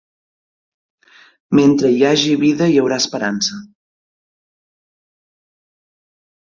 Mentre hi hagi vida hi haurà esperança.